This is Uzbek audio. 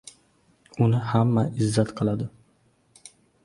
Uni hamma izzat qiladi.